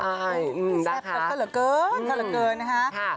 แซ่บก็เกินนะคะ